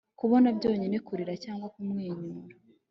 Kubona byonyine kurira cyangwa kumwenyura